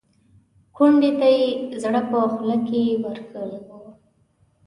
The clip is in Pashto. کونډې ته یې زړه په خوله کې ورکړی و.